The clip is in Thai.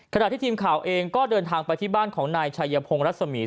ขณะที่ทีมข่าวเองก็เดินทางไปที่บ้านของนายชัยพงศ์รัศมีร์